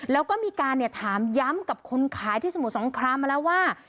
แล้วก็มีการถามย้ำกับคนขายที่สมุทรสงครามมาแล้วว่า